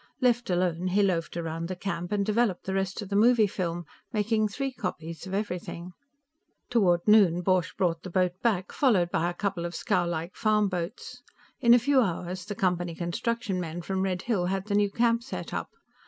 Left alone, he loafed around the camp, and developed the rest of the movie film, making three copies of everything. Toward noon, Borch brought the boat back, followed by a couple of scowlike farmboats. In a few hours, the Company construction men from Red Hill had the new camp set up.